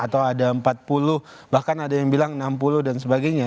atau ada empat puluh bahkan ada yang bilang enam puluh dan sebagainya